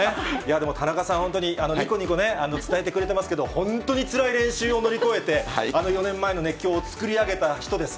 でも田中さん、本当ににこにこね、伝えてくれてますけど、本当につらい練習を乗り越えて、あの４年前の熱狂を作り上げた人です。